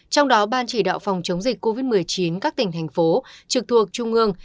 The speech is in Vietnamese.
trong đó ban chỉ đạo phòng chống dịch covid một mươi chín các tỉnh thành phố trực thuộc trung ương